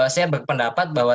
saya berpendapat bahwa